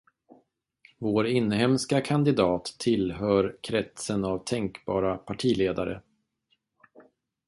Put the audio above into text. Vår inhemska kandidat tillhör kretsen av tänkbara partiledare.